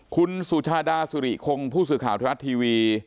คุณสุชาดาสุริคงผู้สื่อข่าวไทยรัฐทีวี